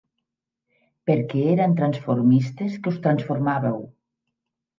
Perquè era en transformistes, que us transformàveu.